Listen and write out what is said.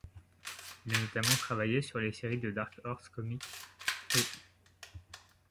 Il a notamment travaillé sur les séries de Dark Horse Comics ' et '.